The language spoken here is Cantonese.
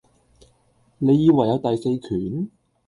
你以為有第四權?